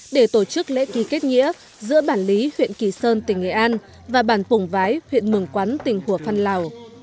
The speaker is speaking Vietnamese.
để tổ chức lễ ký kết nghĩa giữa bản lý huyện kỳ sơn tỉnh nghệ an và bản phùng vái huyện mường quắn tỉnh hủa phăn lào